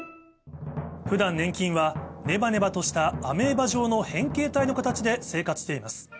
普段粘菌はネバネバとしたアメーバ状の変形体の形で生活しています